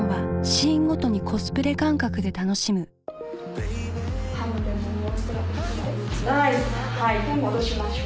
１回戻しましょう。